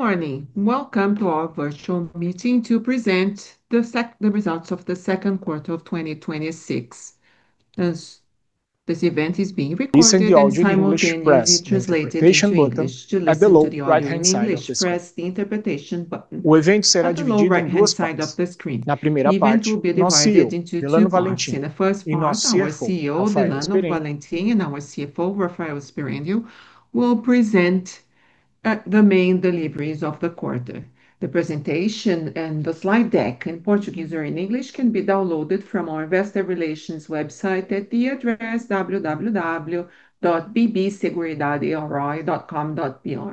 Good morning. Welcome to our virtual meeting to present the results of the second quarter of 2026. This event is being recorded and simultaneously translated into English. To listen to the audio in English, press the interpretation button at the right-hand side of the screen. The event will be divided into two parts. In the first part, our CEO, Delano Valentim, and our CFO, Rafael Sperendio, will present the main deliveries of the quarter. The presentation and the slide deck in Portuguese or in English can be downloaded from our investor relations website at the address www.bbseguridade.ri.com.br.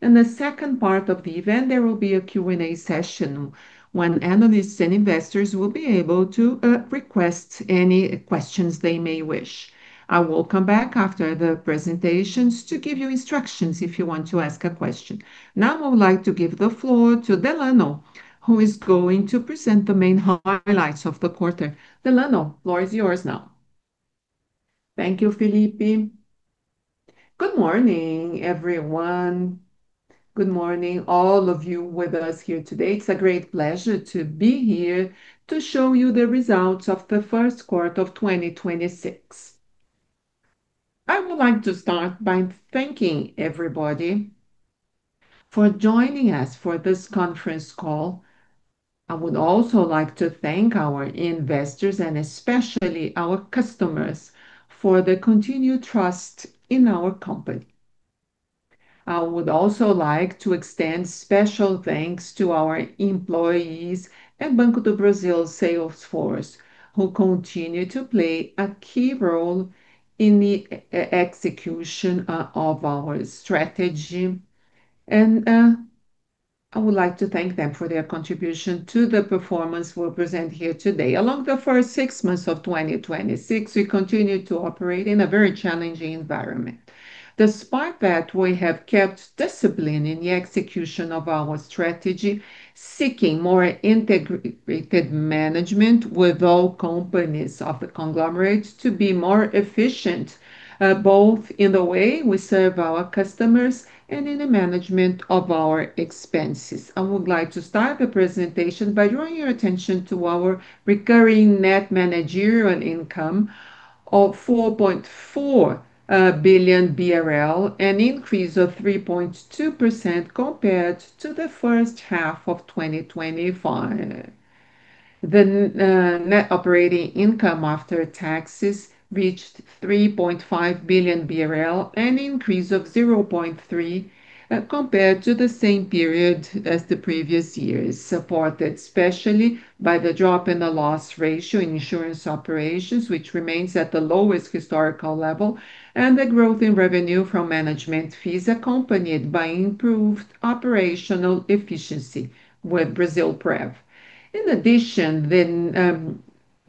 In the second part of the event, there will be a Q&A session when analysts and investors will be able to request any questions they may wish. I will come back after the presentations to give you instructions if you want to ask a question. I would like to give the floor to Delano, who is going to present the main highlights of the quarter. Delano, floor is yours now. Thank you, Felipe. Good morning, everyone. Good morning, all of you with us here today. It's a great pleasure to be here to show you the results of the first quarter of 2026. I would like to start by thanking everybody for joining us for this conference call. I would also like to thank our investors, and especially our customers, for the continued trust in our company. I would also like to extend special thanks to our employees at Banco do Brasil's sales force, who continue to play a key role in the execution of our strategy. I would like to thank them for their contribution to the performance we'll present here today. Along the first six months of 2026, we continued to operate in a very challenging environment. Despite that, we have kept discipline in the execution of our strategy, seeking more integrated management with all companies of the conglomerate to be more efficient, both in the way we serve our customers and in the management of our expenses. I would like to start the presentation by drawing your attention to our recurring net managerial income of 4.4 billion BRL, an increase of 3.2% compared to the first half of 2025. The net operating income after taxes reached 3.5 billion BRL, an increase of 0.3% compared to the same period as the previous years, supported especially by the drop in the loss ratio in insurance operations, which remains at the lowest historical level, and the growth in revenue from management fees accompanied by improved operational efficiency with Brasilprev. In addition, the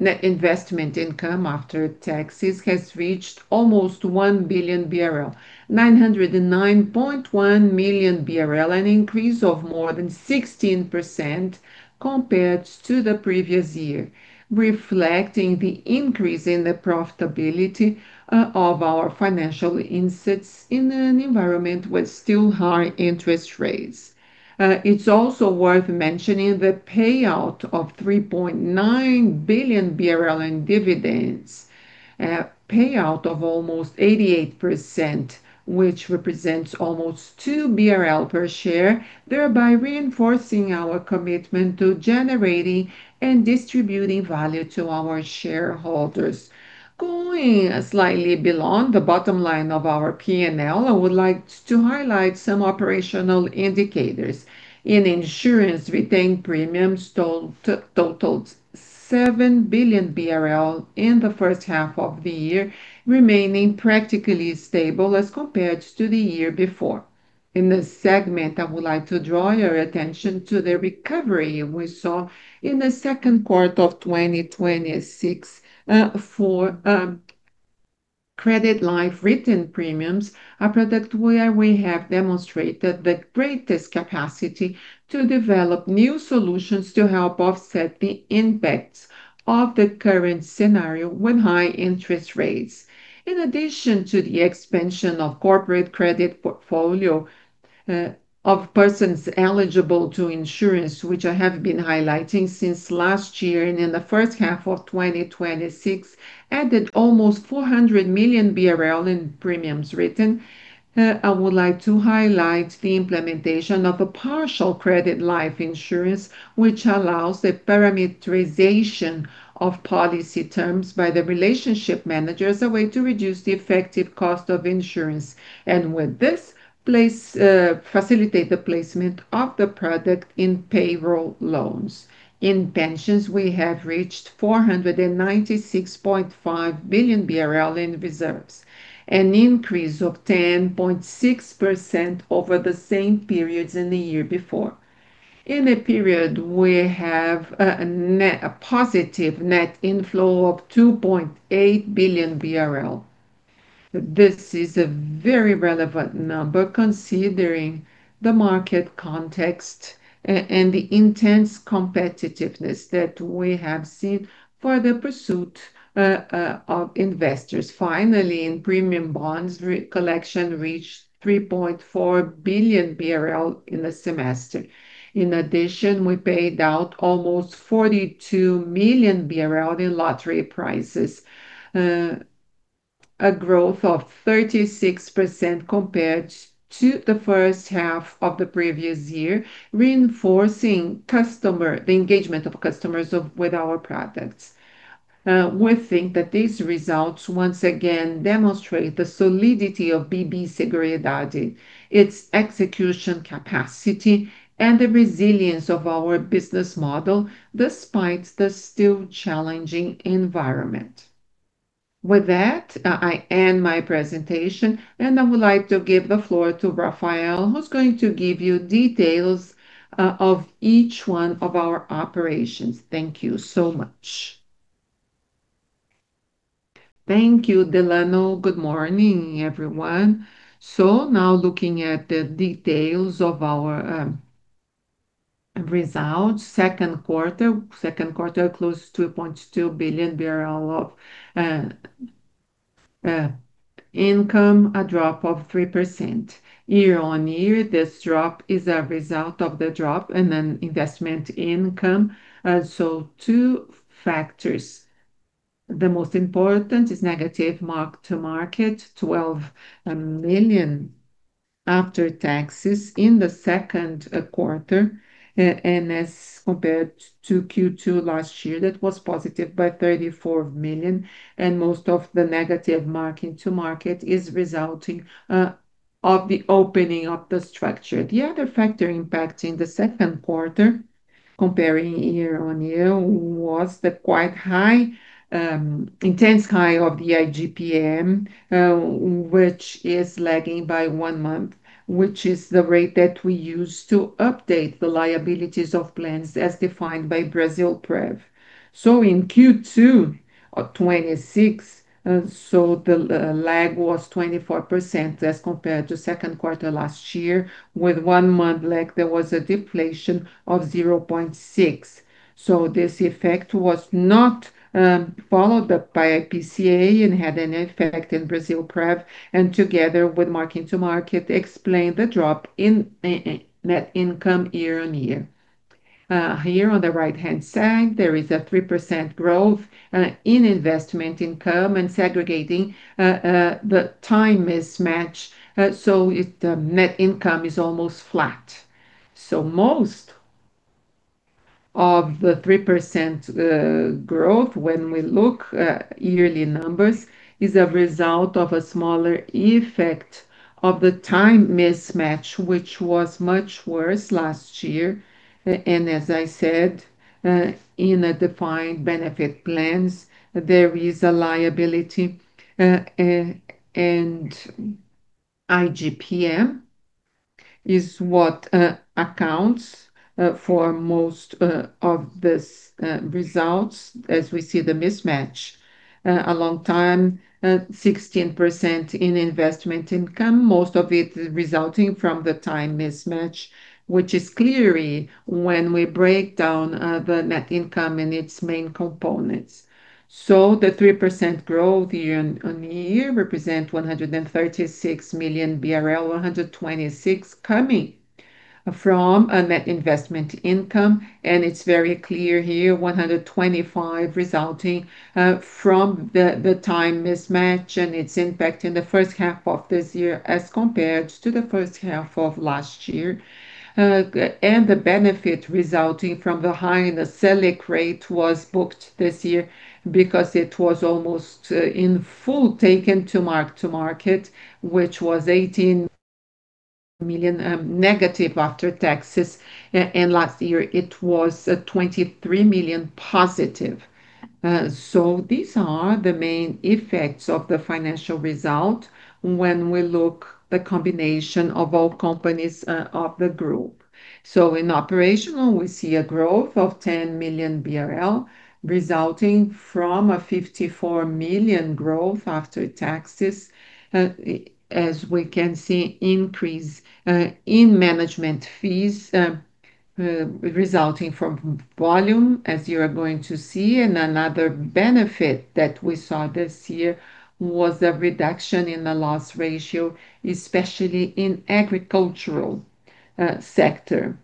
net investment income after taxes has reached almost 1 billion BRL, 909.1 million BRL, an increase of more than 16% compared to the previous year, reflecting the increase in the profitability of our financial insights in an environment with still high interest rates. It's also worth mentioning the payout of 3.9 billion BRL in dividends, a payout of almost 88%, which represents almost 2 BRL per share, thereby reinforcing our commitment to generating and distributing value to our shareholders. Going slightly below the bottom line of our P&L, I would like to highlight some operational indicators. In insurance, retained premiums totaled 7 billion BRL in the first half of the year, remaining practically stable as compared to the year before. In this segment, I would like to draw your attention to the recovery we saw in the second quarter of 2026 for credit life written premiums, a product where we have demonstrated the greatest capacity to develop new solutions to help offset the impacts of the current scenario with high interest rates. In addition to the expansion of corporate credit portfolio of persons eligible to insurance, which I have been highlighting since last year and in the first half of 2026, added almost 400 million BRL in premiums written. I would like to highlight the implementation of a partial credit life insurance, which allows the parametrization of policy terms by the relationship manager as a way to reduce the effective cost of insurance. With this, facilitate the placement of the product in payroll loans. In pensions, we have reached 496.5 billion BRL in reserves, an increase of 10.6% over the same periods in the year before. In the period, we have a positive net inflow of 2.8 billion BRL. This is a very relevant number considering the market context and the intense competitiveness that we have seen for the pursuit of investors. Finally, in premium bonds, collection reached 3.4 billion BRL in the semester. In addition, we paid out almost 42 million BRL in lottery prizes, a growth of 36% compared to the first half of the previous year, reinforcing the engagement of customers with our products. We think that these results once again demonstrate the solidity of BB Seguridade, its execution capacity, and the resilience of our business model despite the still challenging environment. With that, I end my presentation, and I would like to give the floor to Rafael, who's going to give you details of each one of our operations. Thank you so much. Thank you, Delano. Good morning, everyone. Now looking at the details of our results. Second quarter, close to 2.2 billion of income, a drop of 3%. Year-on-year, this drop is a result of the drop in investment income. Two factors. The most important is negative mark-to-market 12 million after taxes in the second quarter, and as compared to Q2 last year, that was positive by 34 million, and most of the negative mark-to-market is resulting of the opening of the structure. The other factor impacting the second quarter comparing year-on-year was the quite intense high of the IGP-M, which is lagging by one month, which is the rate that we use to update the liabilities of plans as defined by Brasilprev. In Q2 of 2026, the lag was 24% as compared to second quarter last year. With one month lag, there was a deflation of 0.6. This effect was not followed up by IPCA and had an effect in Brasilprev, and together with mark-to-market explained the drop in net income year-on-year. Here on the right-hand side, there is a 3% growth in investment income and segregating the time mismatch, the net income is almost flat. Most of the 3% growth when we look at yearly numbers is a result of a smaller effect of the time mismatch, which was much worse last year. As I said, in the defined benefit plans, there is a liability, and IGP-M is what accounts for most of these results as we see the mismatch a long time, 16% in investment income, most of it resulting from the time mismatch, which is clearly when we break down the net income and its main components. The 3% growth year-on-year represent 136 million, 126 million coming from a net investment income, and it is very clear here, 125 million resulting from the time mismatch and its impact in the first half of this year as compared to the first half of last year. The benefit resulting from the high in the Selic rate was booked this year because it was almost in full taken to mark-to-market, which was 18 million negative after taxes, and last year it was +23 million. These are the main effects of the financial result when we look the combination of all companies of the group. In operational, we see a growth of 10 million BRL resulting from a 54 million growth after taxes. As we can see, increase in management fees resulting from volume, as you are going to see. Another benefit that we saw this year was a reduction in the loss ratio, especially in agricultural sector.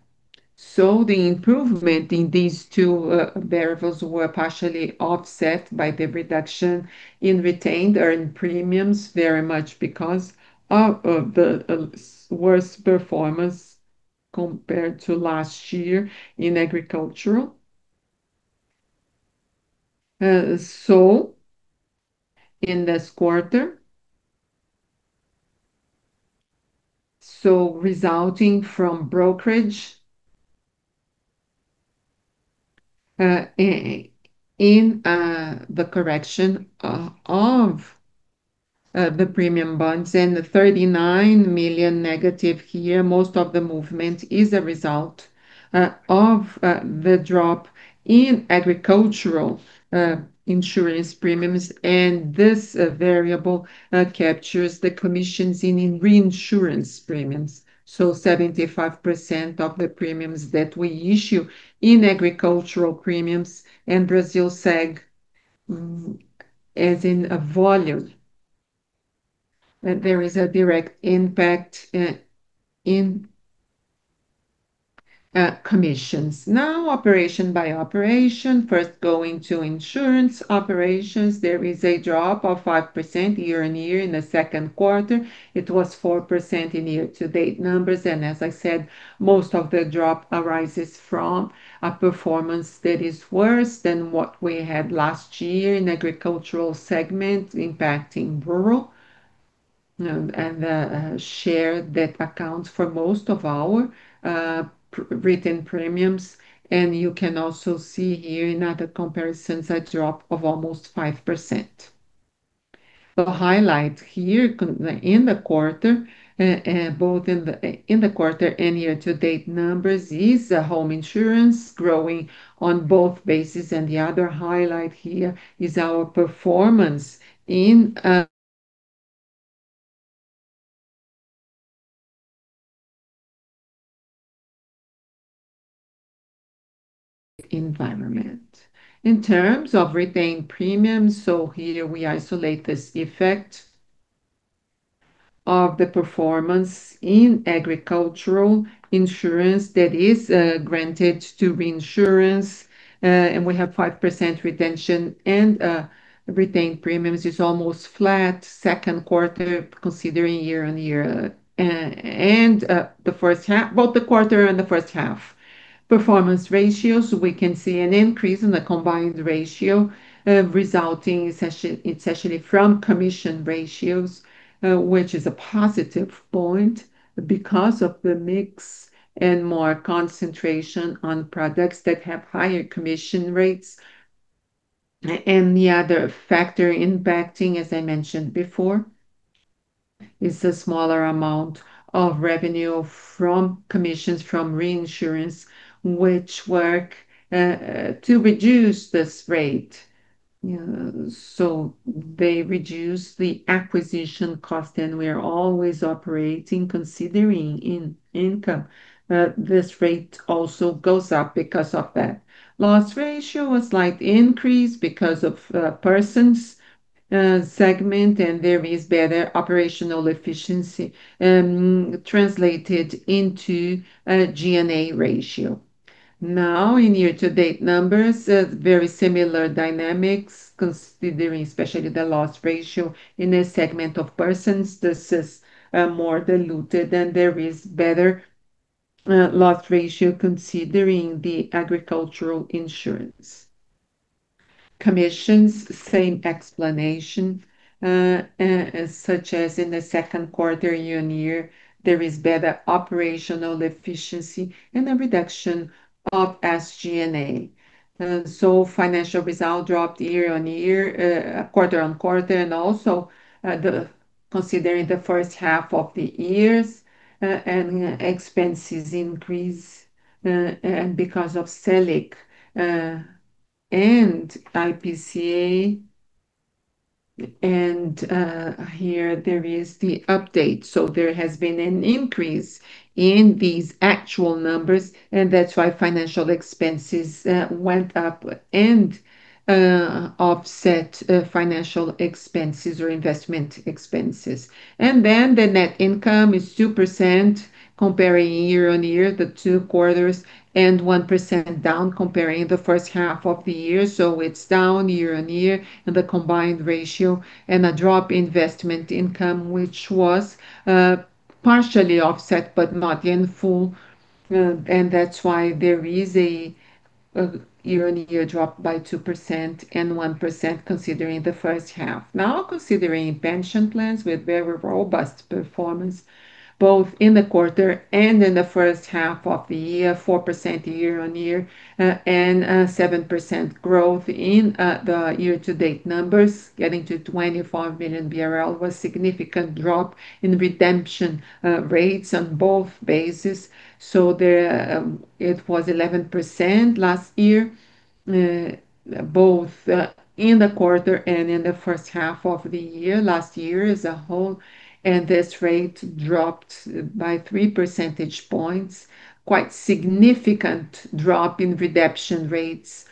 The improvement in these two variables were partially offset by the reduction in retained earned premiums, very much because of the worse performance compared to last year in agricultural. In this quarter, resulting from brokerage in the correction of the premium bonds and the -39 million here, most of the movement is a result of the drop in agricultural insurance premiums, and this variable captures the commissions in reinsurance premiums. 75% of the premiums that we issue in agricultural premiums and Brasilseg as in volume. There is a direct impact in commissions. Now, operation by operation. First, going to insurance operations, there is a drop of 5% year-on-year in the second quarter. It was 4% in year-to-date numbers. As I said, most of the drop arises from a performance that is worse than what we had last year in agricultural segment impacting rural and the share that accounts for most of our written premiums. You can also see here in other comparisons, a drop of almost 5%. The highlight here in the quarter, both in the quarter and year-to-date numbers, is the home insurance growing on both bases, and the other highlight here is our performance in terms of retained premiums. Here we isolate this effect of the performance in agricultural insurance that is granted to reinsurance, and we have 5% retention, and retained premiums is almost flat second quarter considering both the quarter and the first half. Performance ratios, we can see an increase in the combined ratio, resulting essentially from commission ratios, which is a positive point because of the mix and more concentration on products that have higher commission rates. The other factor impacting, as I mentioned before, is the smaller amount of revenue from commissions from reinsurance, which work to reduce this rate. They reduce the acquisition cost, and we are always operating considering in income. This rate also goes up because of that. Loss ratio, a slight increase because of persons segment, and there is better operational efficiency translated into G&A ratio. In year-to-date numbers, very similar dynamics considering especially the loss ratio in a segment of persons. This is more diluted and there is better loss ratio considering the crop insurance. Commissions, same explanation, such as in the second quarter year-on-year, there is better operational efficiency and a reduction of SG&A. Financial result dropped quarter-on-quarter, also considering the first half of the year. Expenses increased because of Selic and IPCA, here there is the update. There has been an increase in these actual numbers, that is why financial expenses went up and offset financial expenses or investment expenses. The net income is 2% comparing year-on-year, the two quarters, and 1% down comparing the first half of the year. It is down year-on-year in the combined ratio and a drop investment income, which was partially offset but not in full, that is why there is a year-on-year drop by 2% and 1% considering the first half. Considering pension plans with very robust performance, both in the quarter and in the first half of the year, 4% year-on-year, and 7% growth in the year-to-date numbers, getting to 24 billion BRL was significant drop in redemption rates on both bases. It was 11% last year, both in the quarter and in the first half of the year, last year as a whole, and this rate dropped by three percentage points. Quite significant drop in redemption rates.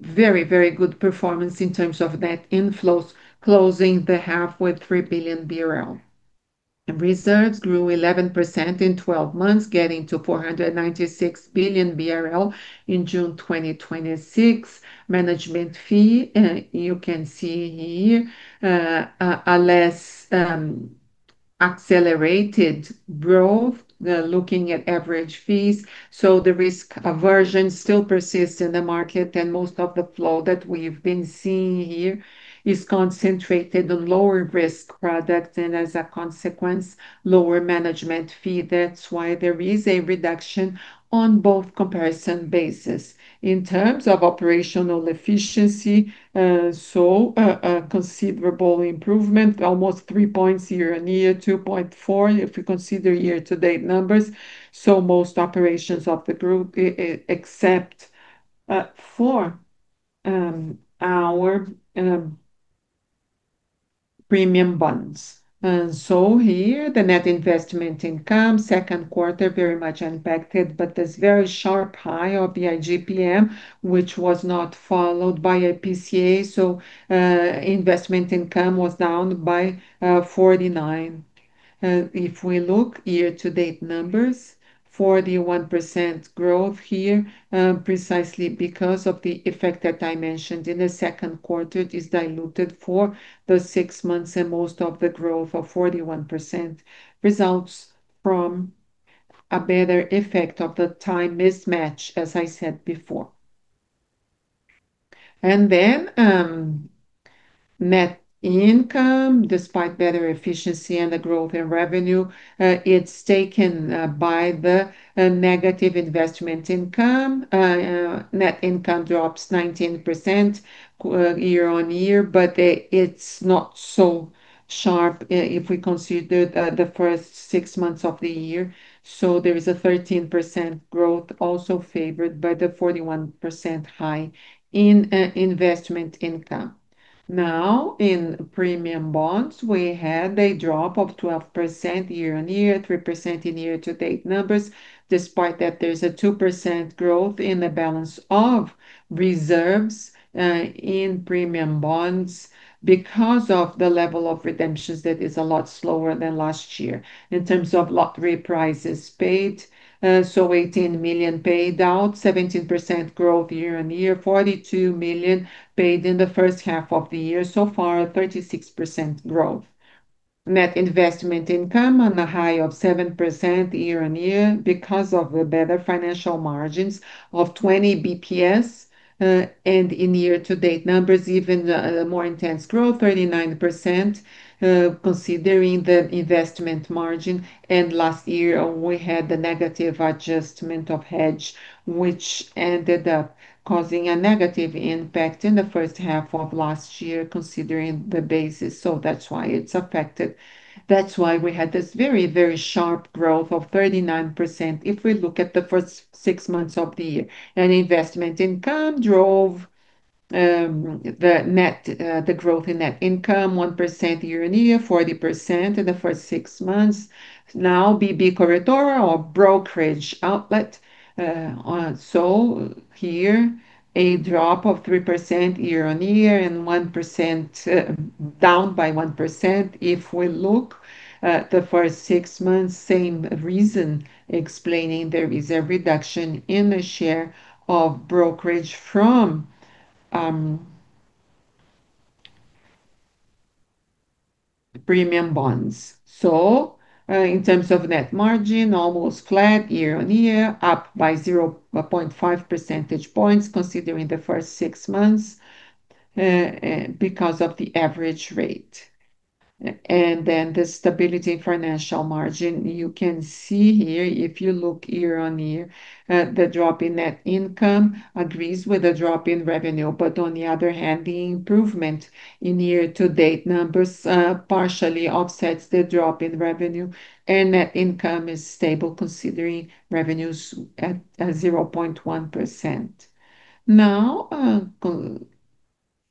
Very good performance in terms of net inflows closing the half with 3 billion BRL. Reserves grew 11% in 12 months, getting to 496 billion BRL in June 2026. Management fee, you can see here, a less accelerated growth, looking at average fees. The risk aversion still persists in the market, most of the flow that we have been seeing here is concentrated on lower risk products, as a consequence, lower management fee. That is why there is a reduction on both comparison bases. In terms of operational efficiency, a considerable improvement, almost three points year-on-year, 2.4 if we consider year-to-date numbers. Most operations of the group except for our premium bonds. Here, the net investment income, second quarter, very much impacted, this very sharp high of the IGP-M, which was not followed by IPCA, investment income was down by 49%. If we look year-to-date numbers, 41% growth here, precisely because of the effect that I mentioned in the second quarter. It is diluted for those six months, most of the growth of 41% results from a better effect of the time mismatch, as I said before. Net income, despite better efficiency and the growth in revenue, it is taken by the negative investment income. Net income drops 19% year-on-year, it is not so sharp if we consider the first six months of the year. There is a 13% growth also favored by the 41% high in investment income. In premium bonds, we had a drop of 12% year-on-year, 3% in year-to-date numbers. Despite that, there is a 2% growth in the balance of reserves in premium bonds because of the level of redemptions that is a lot slower than last year. In terms of lottery prices paid, 18 million paid out, 17% growth year on year, 42 million paid in the first half of the year. So far, 36% growth. Net investment income on a high of 7% year on year because of the better financial margins of 20 BPS. In year-to-date numbers, even a more intense growth, 39%, considering the investment margin. Last year, we had the negative adjustment of hedge, which ended up causing a negative impact in the first half of last year, considering the basis. That's why it's affected. That's why we had this very sharp growth of 39% if we look at the first six months of the year. Investment income drove the growth in net income, 1% year on year, 40% in the first six months. BB Corretora or brokerage outlet. Here, a drop of 3% year on year and down by 1%. If we look at the first six months, same reason explaining there is a reduction in the share of brokerage from premium bonds. In terms of net margin, almost flat year on year, up by 0.5 percentage points considering the first six months because of the average rate. The stability financial margin. You can see here, if you look year on year, the drop in net income agrees with a drop in revenue. On the other hand, the improvement in year-to-date numbers partially offsets the drop in revenue, and net income is stable considering revenues at 0.1%.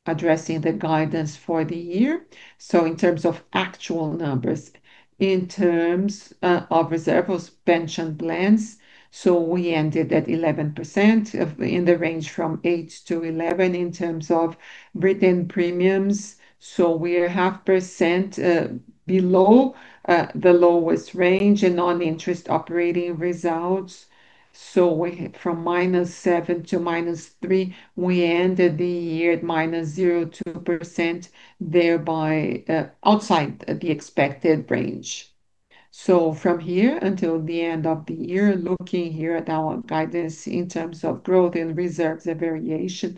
Addressing the guidance for the year. In terms of actual numbers, in terms of reserves pension plans, we ended at 11%, in the range from 8%-11% in terms of written premiums. We are 0.5% below the lowest range in non-interest operating results. From -7% to -3%, we ended the year at -0.2%, thereby outside the expected range. From here until the end of the year, looking here at our guidance in terms of growth in reserves, a variation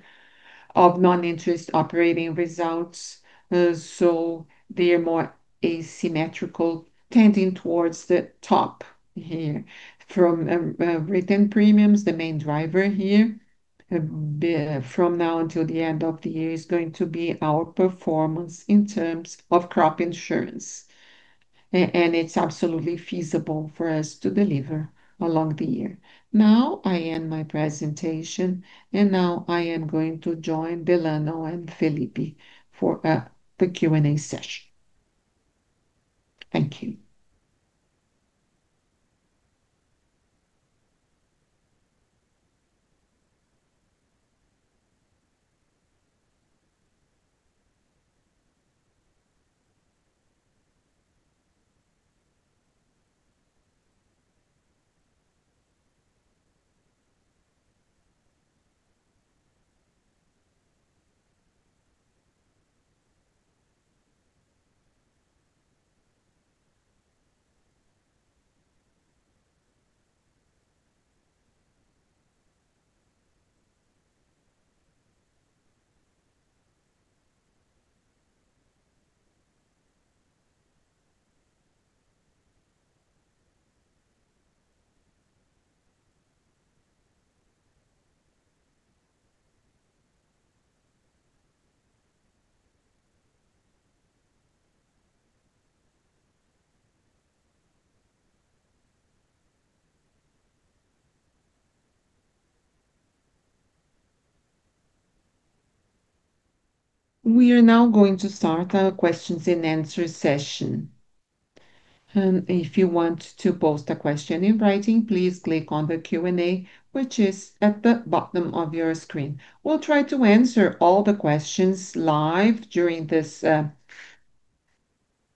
of non-interest operating results. They are more asymmetrical, tending towards the top here. From written premiums, the main driver here from now until the end of the year is going to be our performance in terms of crop insurance. It's absolutely feasible for us to deliver along the year. I end my presentation, I am going to join Delano and Felipe for the Q&A session. Thank you. We are now going to start our questions-and-answer session. If you want to post a question in writing, please click on the Q&A, which is at the bottom of your screen. We'll try to answer all the questions live during this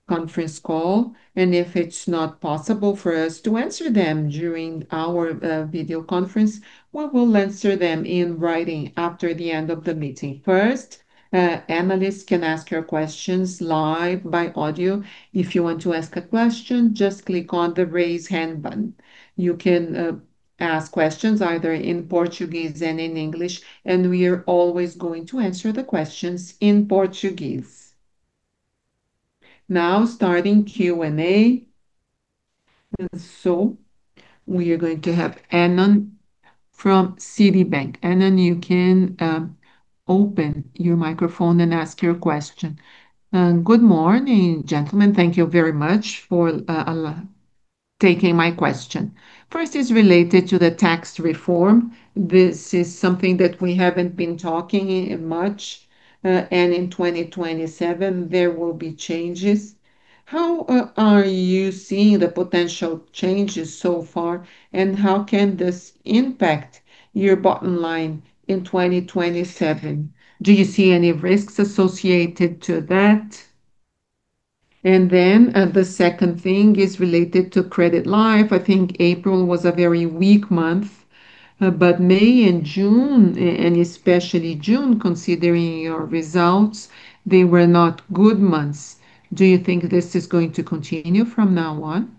conference call, if it's not possible for us to answer them during our video conference, we will answer them in writing after the end of the meeting. First, analysts can ask your questions live by audio. If you want to ask a question, just click on the raise hand button. You can ask questions either in Portuguese and in English, we are always going to answer the questions in Portuguese. Starting Q&A. We are going to have Arnon from Citibank. Arnon, you can open your microphone and ask your question. Good morning, gentlemen. Thank you very much for taking my question. First is related to the tax reform. This is something that we haven't been talking much. In 2027 there will be changes. How are you seeing the potential changes so far, and how can this impact your bottom line in 2027? Do you see any risks associated to that? The second thing is related to credit life. I think April was a very weak month, but May and June, and especially June, considering your results, they were not good months. Do you think this is going to continue from now on?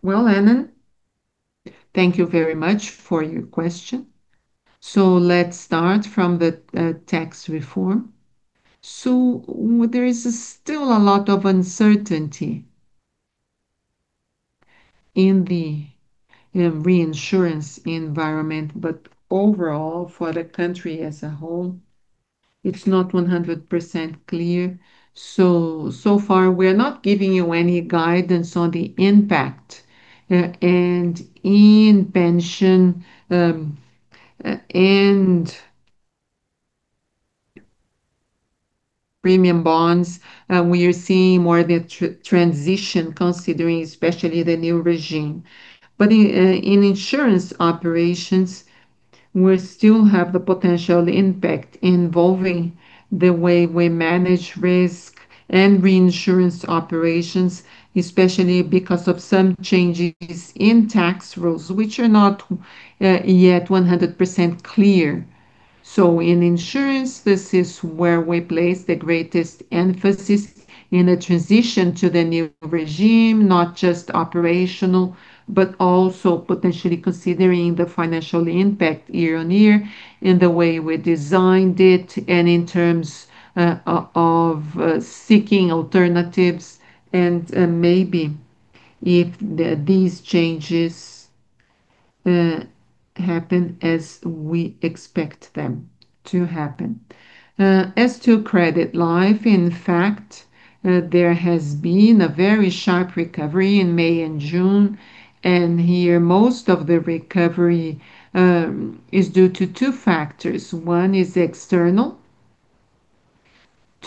Well, Arnon, thank you very much for your question. Let's start from the tax reform. There is still a lot of uncertainty in the reinsurance environment, but overall, for the country as a whole, it's not 100% clear. So far, we're not giving you any guidance on the impact. In pension, and premium bonds, we are seeing more the transition considering especially the new regime. In insurance operations, we still have the potential impact involving the way we manage risk and reinsurance operations, especially because of some changes in tax rules, which are not yet 100% clear. In insurance, this is where we place the greatest emphasis in a transition to the new regime, not just operational, but also potentially considering the financial impact year on year in the way we designed it and in terms of seeking alternatives and maybe if these changes happen as we expect them to happen. As to credit life, in fact, there has been a very sharp recovery in May and June. Here most of the recovery is due to two factors. One is external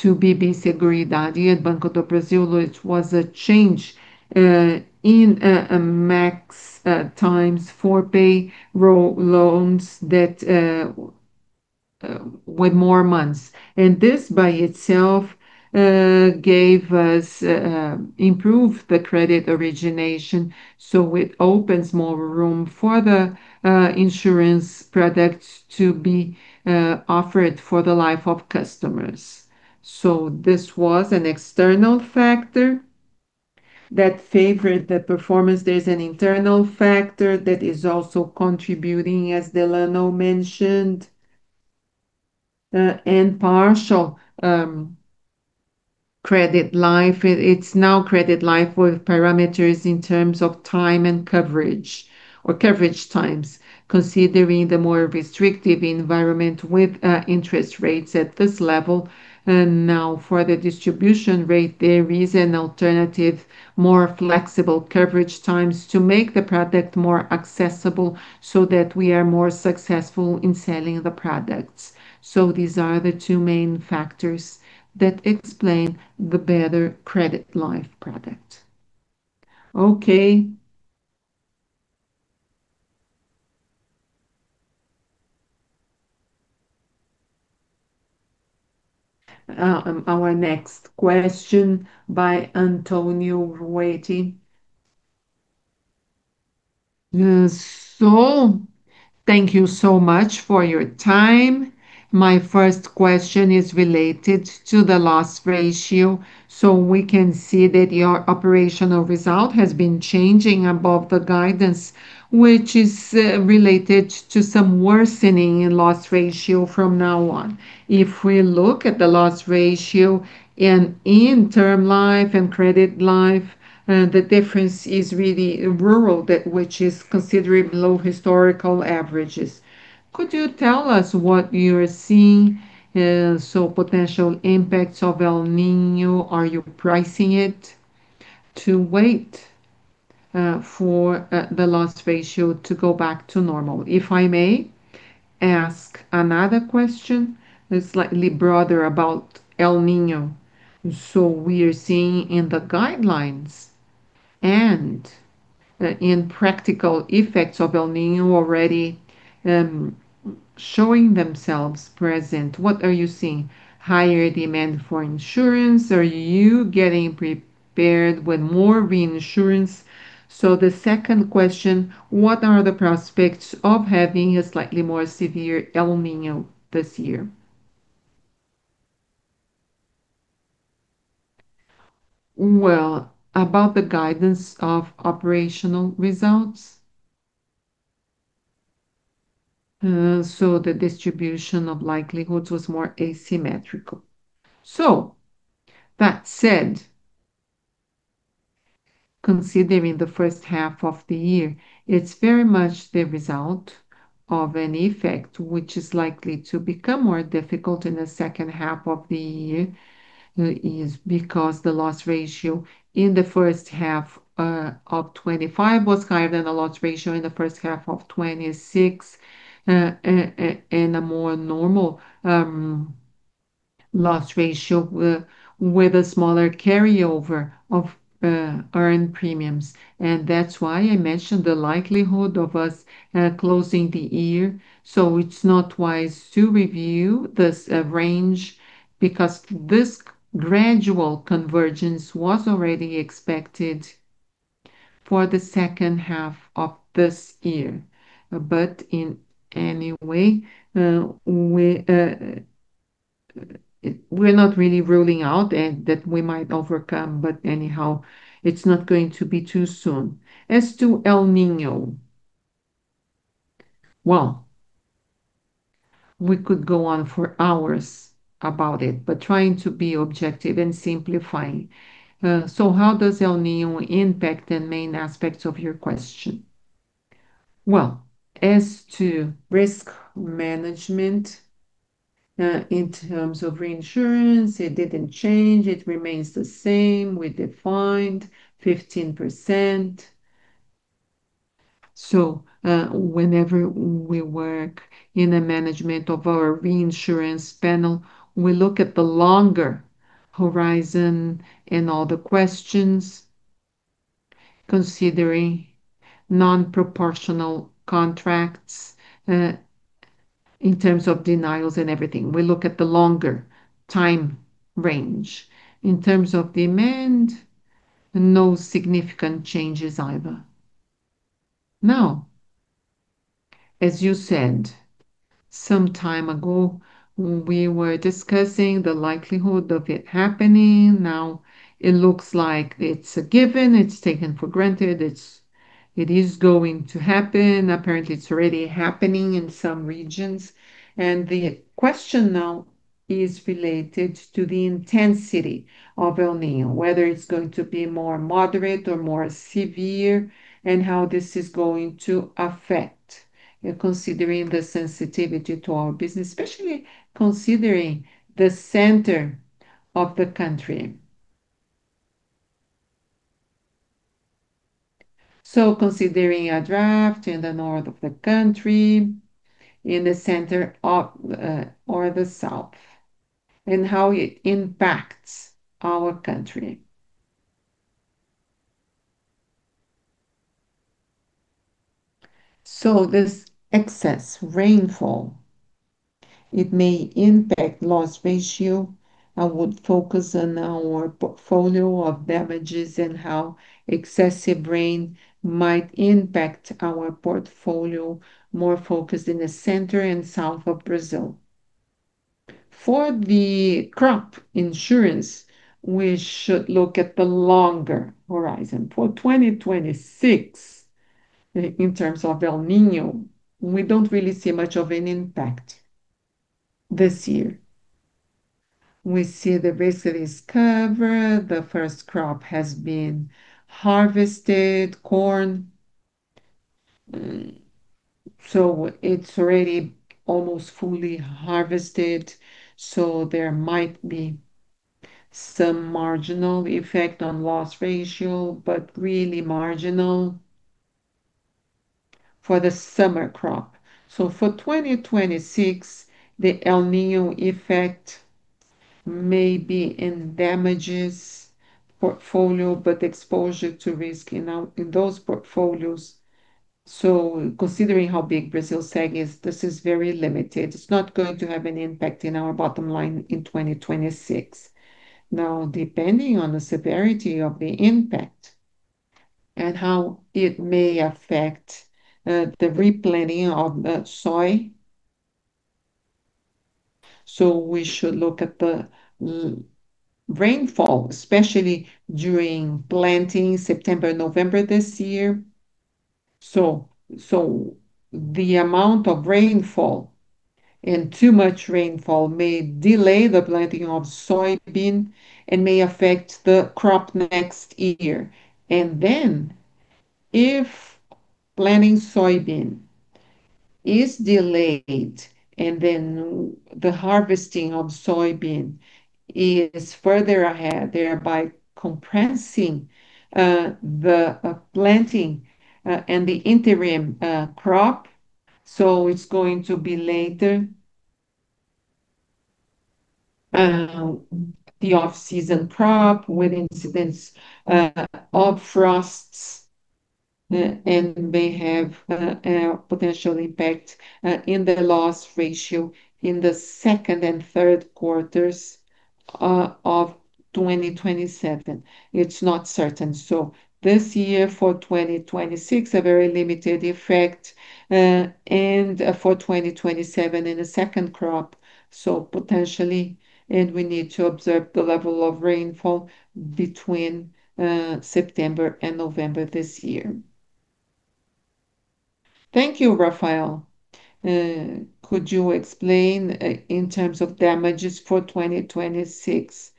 to BB Seguridade and Banco do Brasil, which was a change in a max times for payroll loans that with more months. This by itself improved the credit origination, so it opens more room for the insurance products to be offered for the life of customers. This was an external factor that favored the performance. There's an internal factor that is also contributing, as Delano mentioned, and partial credit life. It's now credit life with parameters in terms of time and coverage or coverage times, considering the more restrictive environment with interest rates at this level. For the distribution rate, there is an alternative, more flexible coverage times to make the product more accessible that we are more successful in selling the products. These are the two main factors that explain the better credit life product. Okay. Our next question by Antonio Ruette. Thank you so much for your time. My first question is related to the loss ratio. We can see that your operational result has been changing above the guidance, which is related to some worsening in loss ratio from now on. If we look at the loss ratio and in term life and credit life, the difference is really rural, which is considering below historical averages. Could you tell us what you're seeing? Potential impacts of El Niño, are you pricing it to wait for the loss ratio to go back to normal? If I may ask another question, slightly broader about El Niño. We are seeing in the guidelines and in practical effects of El Niño already showing themselves present. What are you seeing? Higher demand for insurance? Are you getting prepared with more reinsurance? The second question, what are the prospects of having a slightly more severe El Niño this year? About the guidance of operational results, the distribution of likelihoods was more asymmetrical. That said, considering the first half of the year, it's very much the result of an effect which is likely to become more difficult in the second half of the year, is because the loss ratio in the first half of 2025 was higher than the loss ratio in the first half of 2026, and a more normal, loss ratio with a smaller carryover of earned premiums. That's why I mentioned the likelihood of us closing the year. It's not wise to review this range because this gradual convergence was already expected for the second half of this year. In any way, we're not really ruling out that we might overcome. Anyhow, it's not going to be too soon. As to El Niño, we could go on for hours about it, but trying to be objective and simplifying. How does El Niño impact the main aspects of your question? As to risk management, in terms of reinsurance, it didn't change. It remains the same. We defined 15%. Whenever we work in the management of our reinsurance panel, we look at the longer horizon and all the questions, considering non-proportional contracts, in terms of denials and everything. We look at the longer time range. In terms of demand, no significant changes either. As you said, some time ago, we were discussing the likelihood of it happening. Now it looks like it's a given. It's taken for granted. It is going to happen. Apparently, it's already happening in some regions. The question now is related to the intensity of El Niño, whether it's going to be more moderate or more severe, and how this is going to affect considering the sensitivity to our business, especially considering the center of the country. Considering a draft in the north of the country, in the center or the south, and how it impacts our country. This excess rainfall, it may impact loss ratio. I would focus on our portfolio of damages and how excessive rain might impact our portfolio, more focused in the center and south of Brazil. For the crop insurance, we should look at the longer horizon. For 2026, in terms of El Niño, we don't really see much of an impact this year. We see the risk is covered. The first crop has been harvested. Corn, it's already almost fully harvested, there might be some marginal effect on loss ratio, but really marginal for the summer crop. For 2026, the El Niño effect may be in damages portfolio, but exposure to risk in those portfolios. Considering how big Brasilseg is, this is very limited. It's not going to have any impact in our bottom line in 2026. Depending on the severity of the impact and how it may affect the replanting of soy. We should look at the rainfall, especially during planting September, November this year. The amount of rainfall and too much rainfall may delay the planting of soybean and may affect the crop next year. If planting soybean is delayed, then the harvesting of soybean is further ahead, thereby compressing the planting and the interim crop. It's going to be later. The off-season crop with incidents of frosts, may have potential impact in the loss ratio in the second and third quarters of 2027. It is not certain. This year for 2026, a very limited effect, for 2027 in the second crop, potentially, we need to observe the level of rainfall between September and November this year. Thank you, Rafael. Could you explain in terms of damages for 2026,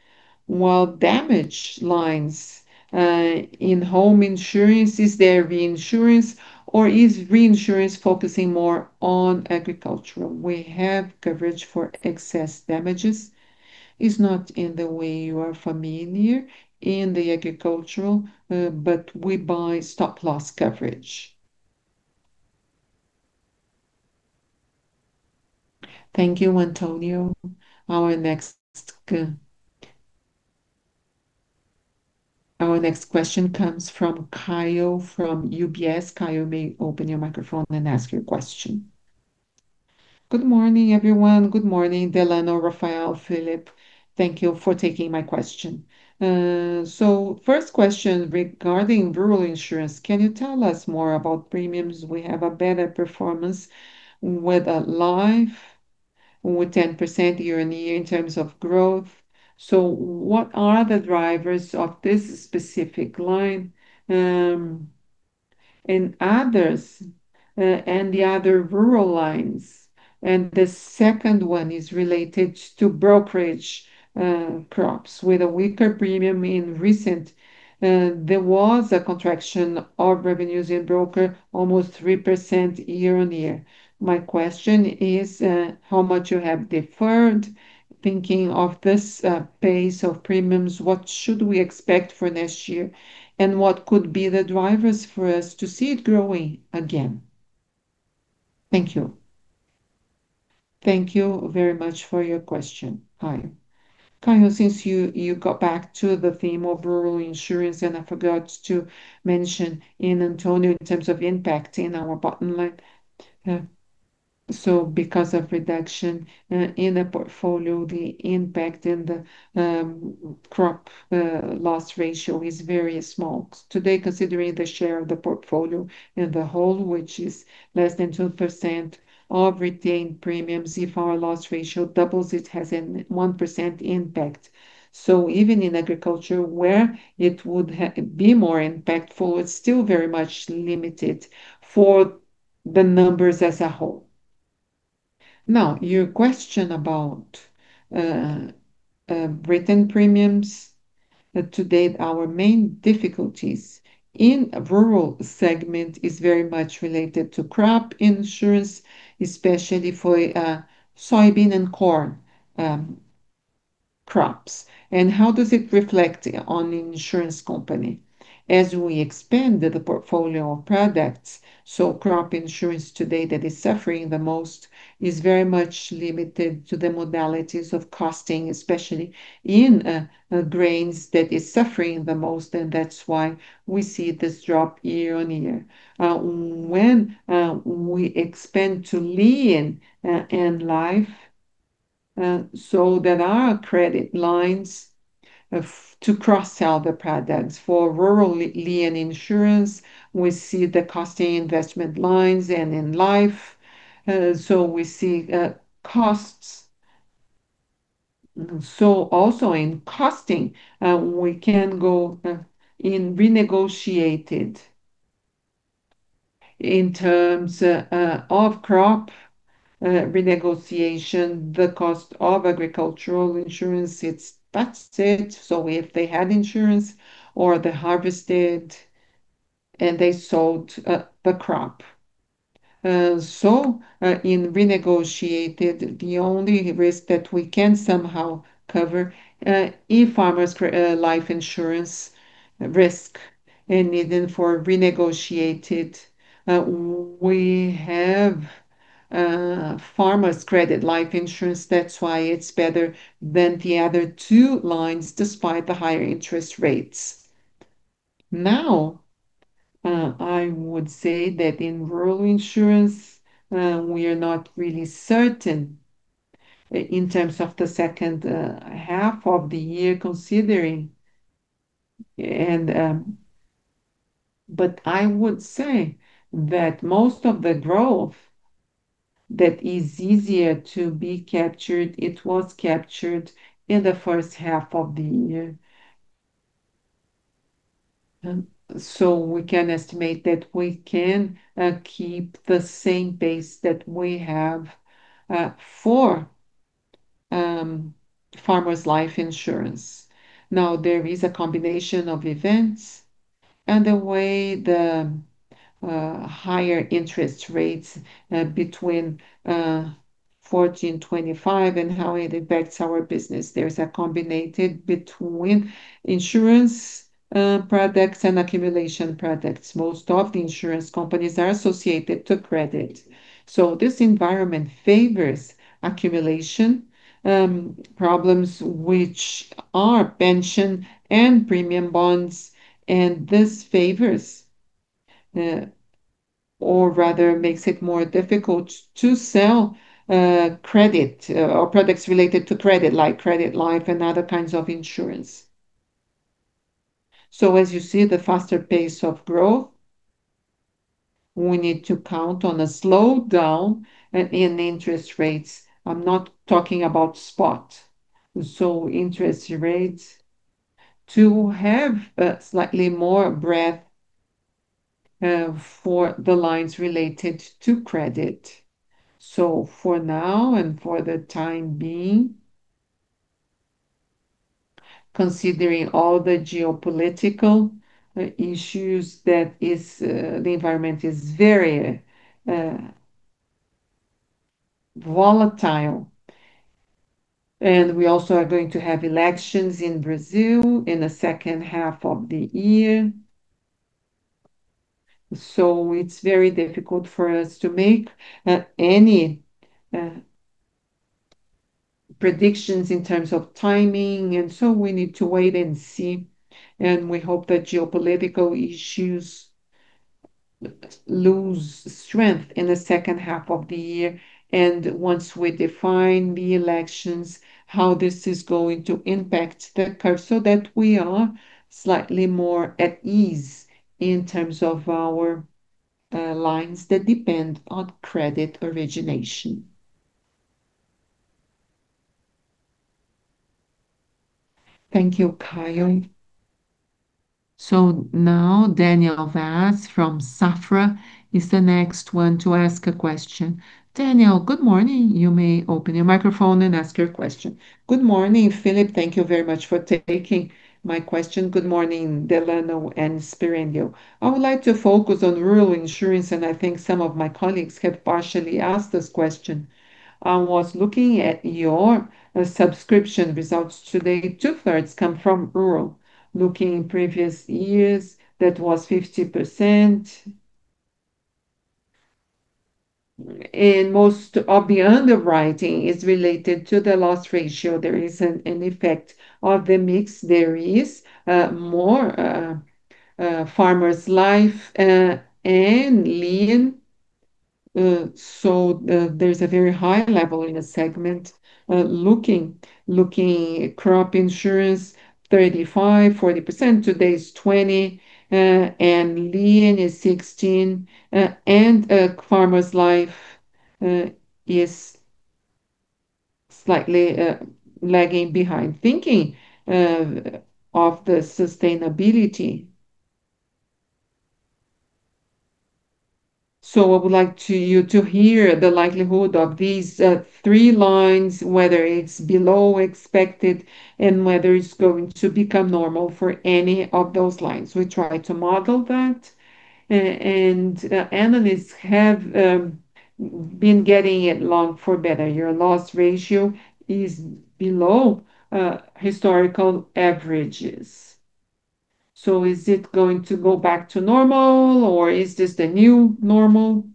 while damage lines in home insurance, is there reinsurance or is reinsurance focusing more on agricultural? We have coverage for excess damages. It is not in the way you are familiar in the agricultural, but we buy stop-loss coverage. Thank you, Antonio. Our next question comes from Kaio from UBS. Kaio, you may open your microphone and ask your question. Good morning, everyone. Good morning, Delano, Rafael, Felipe. Thank you for taking my question. First question regarding rural insurance, can you tell us more about premiums? We have a better performance with a life with 10% year-on-year in terms of growth. What are the drivers of this specific line, the other rural lines? The second one is related to brokerage crops with a weaker premium in recent. There was a contraction of revenues in broker almost 3% year-on-year. My question is, how much you have deferred thinking of this pace of premiums, what should we expect for next year, what could be the drivers for us to see it growing again? Thank you. Thank you very much for your question, Kaio. Kaio, since you got back to the theme of rural insurance, I forgot to mention in Antonio in terms of impact in our bottom line. Because of reduction in the portfolio, the impact in the crop loss ratio is very small. Today, considering the share of the portfolio in the whole, which is less than 2% of retained premiums, if our loss ratio doubles, it has a 1% impact. Even in agriculture where it would be more impactful, it is still very much limited for the numbers as a whole. Now, your question about written premiums. To date, our main difficulties in rural segment is very much related to crop insurance, especially for soybean and corn crops. How does it reflect on the insurance company? As we expand the portfolio of products, crop insurance today that is suffering the most is very much limited to the modalities of costing, especially in grains that is suffering the most, that is why we see this drop year-on-year. When we expand to lien and life, there are credit lines to cross-sell the products. For rural lien insurance, we see the costing investment lines and in life, we see costs. Also in costing, we can go in renegotiated. In terms of crop renegotiation, the cost of agricultural insurance, it is busted. If they had insurance or they harvested, they sold the crop. In renegotiated, the only risk that we can somehow cover, if farmers create a life insurance risk and needing for renegotiated, we have farmers credit life insurance. That is why it is better than the other two lines despite the higher interest rates. I would say that in rural insurance, we are not really certain in terms of the second half of the year considering. I would say that most of the growth that is easier to be captured, it was captured in the first half of the year. We can estimate that we can keep the same pace that we have for farmer's life insurance. There is a combination of events and the way the higher interest rates between 14.25% and how it affects our business. There's a combination between insurance products and accumulation products. Most of the insurance companies are associated to credit. This environment favors accumulation problems, which are pension and premium bonds, and this favors or rather makes it more difficult to sell credit or products related to credit, like credit life and other kinds of insurance. As you see, the faster pace of growth, we need to count on a slowdown in interest rates. I'm not talking about spot. Interest rates to have a slightly more breadth for the lines related to credit. For now and for the time being, considering all the geopolitical issues, the environment is very volatile. We also are going to have elections in Brazil in the second half of the year. It's very difficult for us to make any predictions in terms of timing, we need to wait and see. We hope that geopolitical issues lose strength in the second half of the year, and once we define the elections, how this is going to impact the curve so that we are slightly more at ease in terms of our lines that depend on credit origination. Thank you, Kaio. Now Daniel Vaz from Safra is the next one to ask a question. Daniel, good morning. You may open your microphone and ask your question. Good morning, Felipe. Thank you very much for taking my question. Good morning, Delano and Sperendio. I would like to focus on rural insurance, and I think some of my colleagues have partially asked this question. I was looking at your subscription results today. Two-thirds come from rural. Looking in previous years, that was 50%. Most of the underwriting is related to the loss ratio. There isn't an effect of the mix. There is more farmer's life and Seguro Penhor Rural, there's a very high level in the segment. Looking crop insurance, 35%, 40%. Today it's 20%, and Seguro Penhor Rural is 16%, and farmer's life is slightly lagging behind, thinking of the sustainability. I would like to hear the likelihood of these three lines, whether it's below expected and whether it's going to become normal for any of those lines. We try to model that, and analysts have been getting it long for better. Your loss ratio is below historical averages. Is it going to go back to normal, or is this the new normal?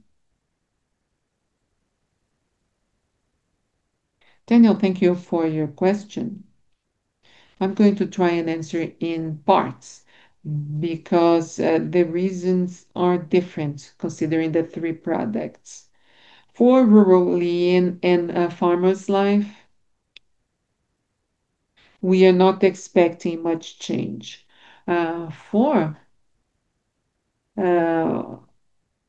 Daniel, thank you for your question. I'm going to try and answer in parts because the reasons are different considering the three products. For rural Seguro Penhor Rural and farmer's life, we are not expecting much change. For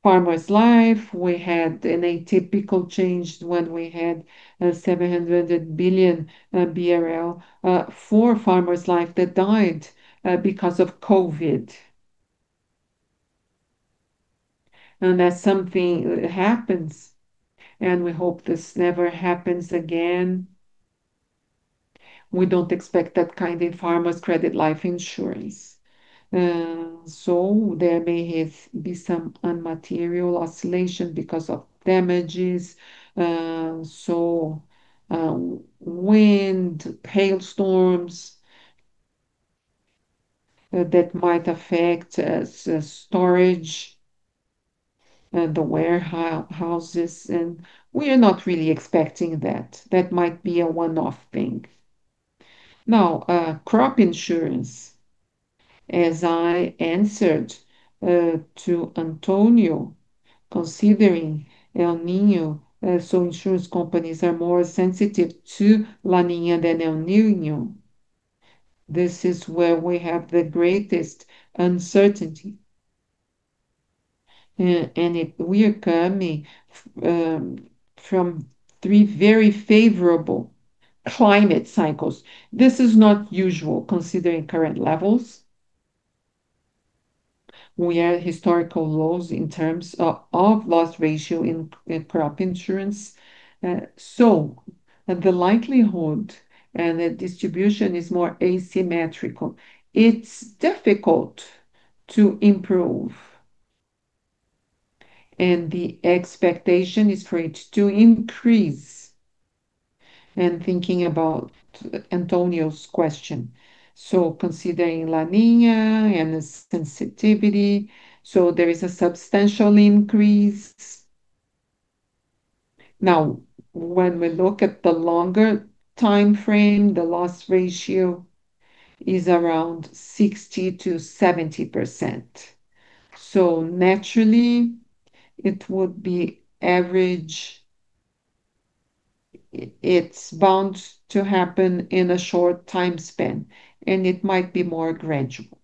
farmer's life, we had an atypical change when we had 700 billion BRL for farmer's life that died because of COVID. That's something that happens, and we hope this never happens again. We don't expect that kind in farmers' credit life insurance. There may be some immaterial oscillation because of damages. Wind, hailstorms that might affect storage and the warehouses. We are not really expecting that. That might be a one-off thing. Crop insurance, as I answered to Antonio, considering El Niño, insurance companies are more sensitive to La Niña than El Niño. This is where we have the greatest uncertainty. We are coming from three very favorable climate cycles. This is not usual considering current levels. We are at historical lows in terms of loss ratio in crop insurance. The likelihood and the distribution is more asymmetrical. It is difficult to improve, and the expectation is for it to increase. Thinking about Antonio's question, considering La Niña and its sensitivity, there is a substantial increase. When we look at the longer timeframe, the loss ratio is around 60%-70%. Naturally, it would be average. It is bound to happen in a short time span, and it might be more gradual.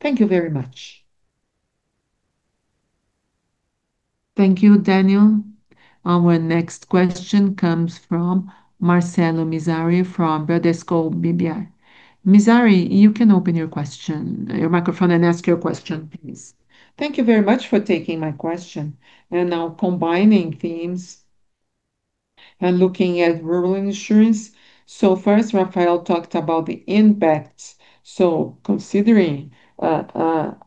Thank you very much. Thank you, Daniel. Our next question comes from Marcelo Mizrahi from Bradesco BBI. Mizrahi, you can open your microphone and ask your question, please. Thank you very much for taking my question. Now combining themes and looking at rural insurance. First, Rafael talked about the impact. Considering the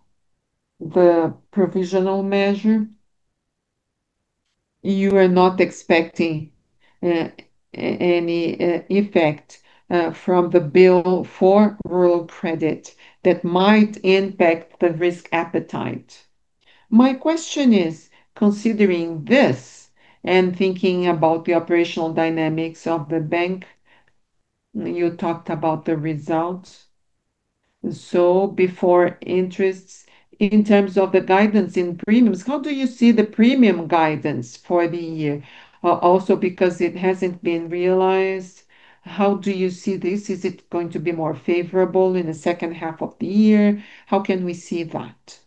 provisional measure, you are not expecting any effect from the bill for rural credit that might impact the risk appetite. My question is, considering this and thinking about the operational dynamics of the bank, you talked about the results. Before interests, in terms of the guidance in premiums, how do you see the premium guidance for the year? Also because it hasn't been realized, how do you see this? Is it going to be more favorable in the second half of the year? How can we see that?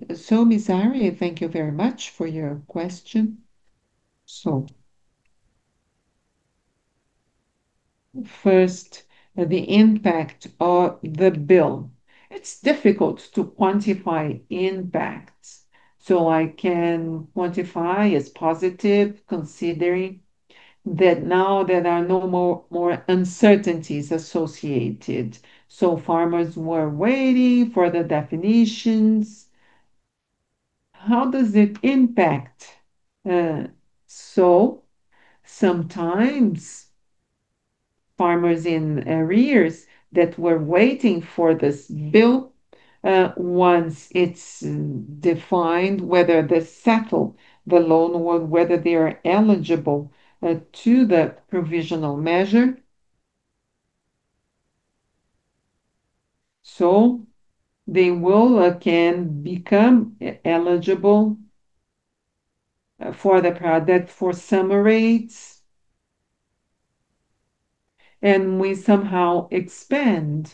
Mizrahi, thank you very much for your question. First, the impact of the bill. It is difficult to quantify impacts. I can quantify as positive considering that now there are no more uncertainties associated. Farmers were waiting for the definitions. How does it impact? Sometimes farmers in arrears that were waiting for this bill, once it is defined whether they settle the loan or whether they are eligible to the provisional measure. They will again become eligible for the product for summer rates, and we somehow expand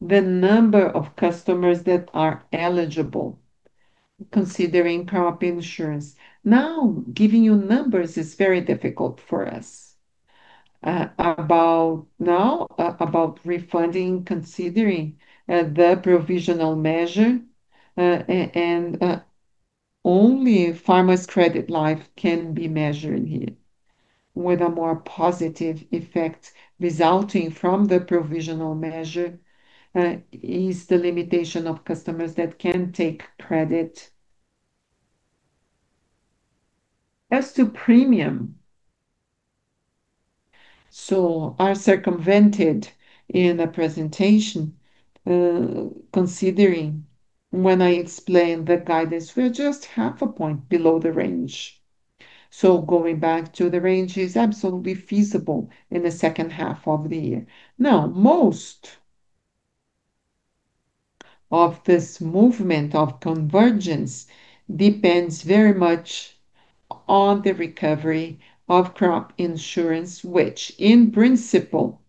the number of customers that are eligible considering crop insurance. Giving you numbers is very difficult for us. About now, about refunding considering the provisional measure, and only Farmers Credit Life can be measured here with a more positive effect resulting from the provisional measure, is the limitation of customers that can take credit. As to premium, are circumvented in the presentation, considering when I explained the guidance, we are just half a point below the range. Going back to the range is absolutely feasible in the second half of the year. Most of this movement of convergence depends very much on the recovery of crop insurance, which in principle,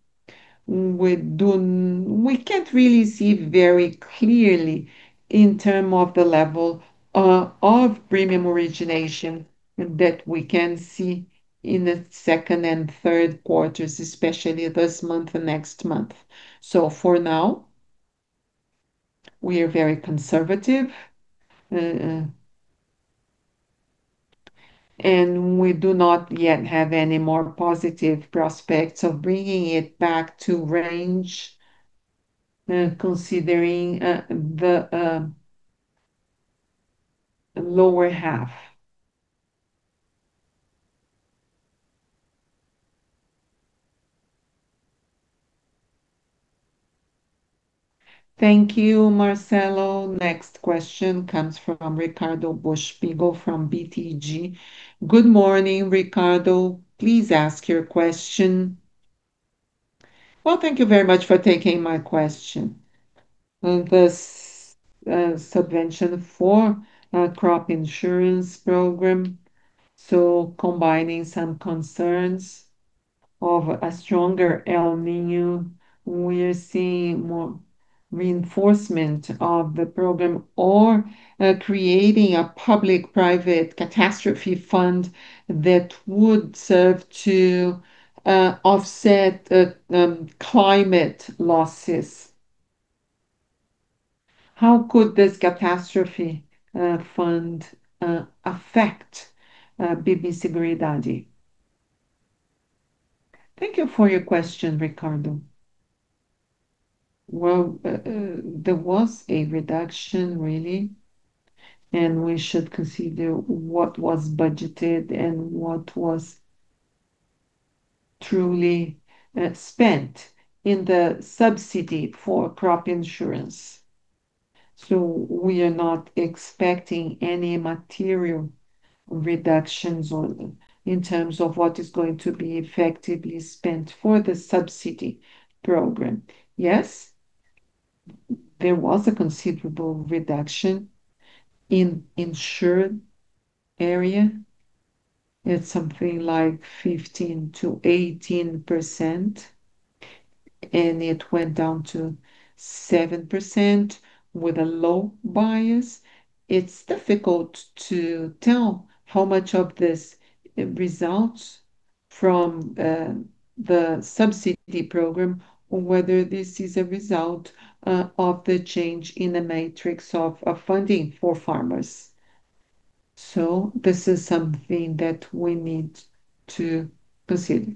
we cannot really see very clearly in terms of the level of premium origination that we can see in the second and third quarters, especially this month and next month. For now, we are very conservative. We do not yet have any more positive prospects of bringing it back to range considering the lower half. Thank you, Marcelo. Next question comes from Ricardo Buchpiguel from BTG. Good morning, Ricardo. Please ask your question. Thank you very much for taking my question. This subvention for crop insurance program, combining some concerns of a stronger El Niño, we are seeing more reinforcement of the program or creating a public-private catastrophe fund that would serve to offset climate losses. How could this catastrophe fund affect BB Seguridade? Thank you for your question, Ricardo. There was a reduction, really, and we should consider what was budgeted and what was truly spent in the subsidy for crop insurance. We are not expecting any material reductions in terms of what is going to be effectively spent for the subsidy program. There was a considerable reduction in insured area at something like 15%-18%, and it went down to 7% with a low bias. It is difficult to tell how much of this results from the subsidy program, or whether this is a result of the change in the matrix of funding for farmers. This is something that we need to consider.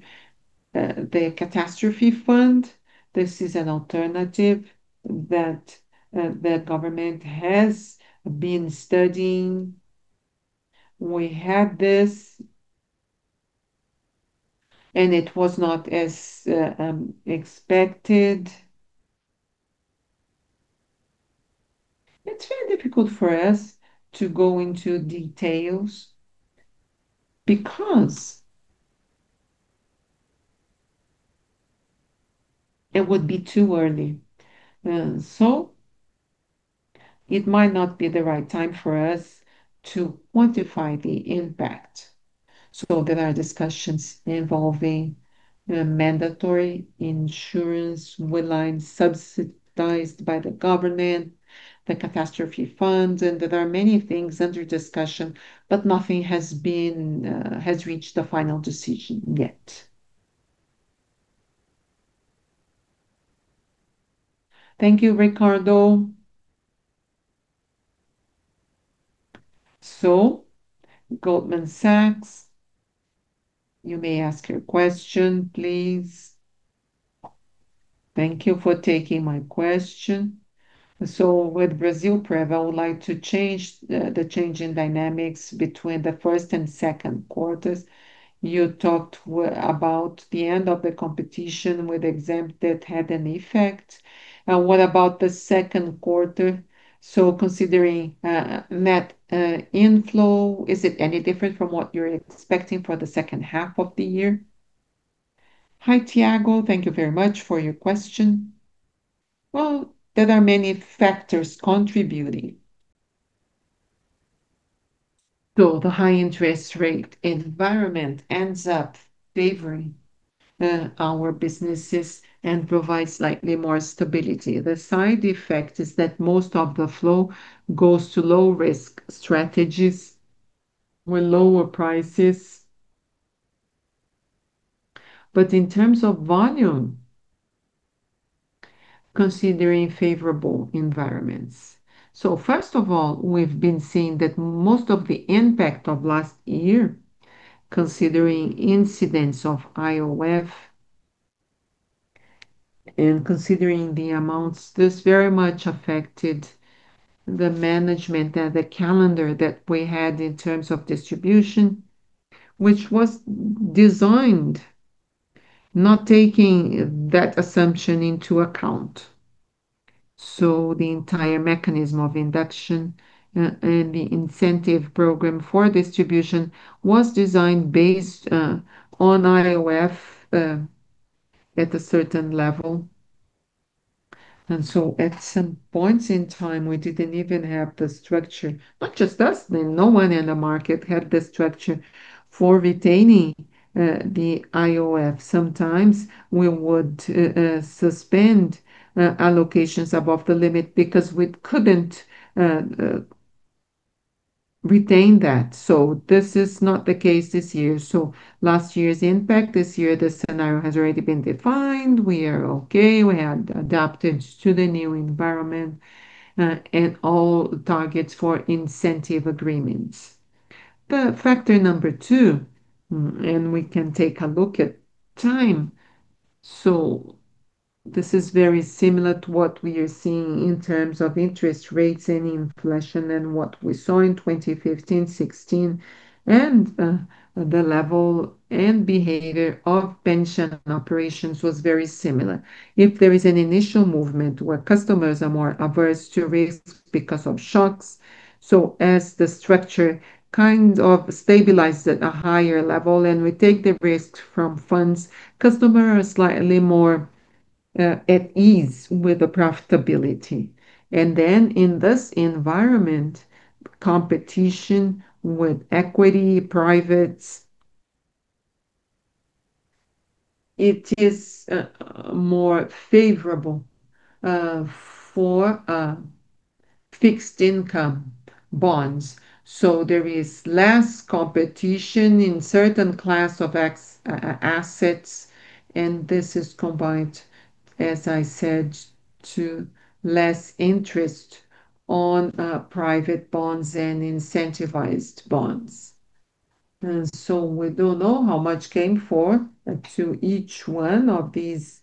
The catastrophe fund, this is an alternative that the government has been studying. We had this, and it was not as expected. It is very difficult for us to go into details because it would be too early. It might not be the right time for us to quantify the impact. There are discussions involving mandatory insurance with lines subsidized by the government, the catastrophe fund, and there are many things under discussion, but nothing has reached the final decision yet. Thank you, Ricardo. Tiago, Goldman Sachs, you may ask your question, please. Thank you for taking my question. With Brasilprev, I would like to change the change in dynamics between the first and second quarters. You talked about the end of the competition with exempt that had an effect. What about the second quarter? Considering net inflow, is it any different from what you are expecting for the second half of the year? Hi, Tiago. Thank you very much for your question. There are many factors contributing. The high interest rate environment ends up favoring our businesses and provides slightly more stability. The side effect is that most of the flow goes to low-risk strategies with lower prices. In terms of volume, considering favorable environments. First of all, we have been seeing that most of the impact of last year, considering incidents of IOF and considering the amounts, this very much affected the management and the calendar that we had in terms of distribution, which was designed not taking that assumption into account. The entire mechanism of induction and the incentive program for distribution was designed based on IOF at a certain level. At some points in time, we did not even have the structure. Not just us, no one in the market had the structure for retaining the IOF. Sometimes we would suspend allocations above the limit because we could not retain that. This is not the case this year. Last year's impact, this year, the scenario has already been defined. We are okay. We had adapted to the new environment and all targets for incentive agreements. The factor number two, we can take a look at time. This is very similar to what we are seeing in terms of interest rates and inflation and what we saw in 2015, 2016, and the level and behavior of pension operations was very similar. If there is an initial movement where customers are more averse to risks because of shocks, as the structure kind of stabilizes at a higher level and we take the risks from funds, customers are slightly more at ease with the profitability. In this environment, competition with private equity, it is more favorable for fixed income bonds. There is less competition in certain class of assets, and this is combined, as I said, to less interest on private bonds and incentivized bonds. We don't know how much came for to each one of these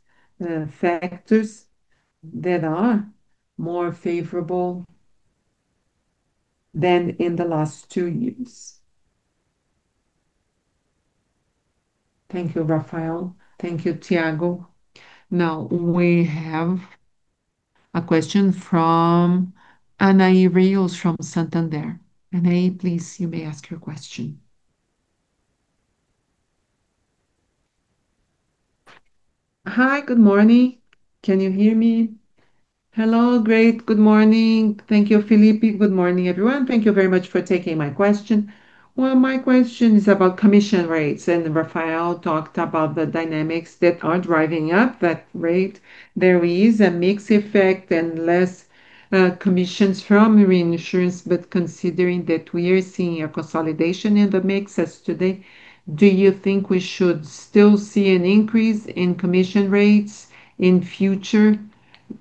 factors that are more favorable than in the last two years. Thank you, Rafael. Thank you, Tiago. Now, we have a question from Anahy Rios from Santander. Anahy, please, you may ask your question. Hi, good morning. Can you hear me? Hello. Great. Good morning. Thank you, Felipe. Good morning, everyone. Thank you very much for taking my question. My question is about commission rates, and Rafael talked about the dynamics that are driving up that rate. There is a mixed effect and less commissions from reinsurance, but considering that we are seeing a consolidation in the mix as today, do you think we should still see an increase in commission rates in future